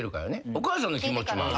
お母さんの気持ちもある。